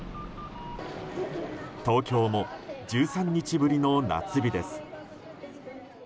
東京も、１３日ぶりの夏日です。